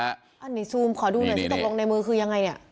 อันนี้ซูมขอดูหน่อยซิตกลงในมือคือยังไงเนี่ย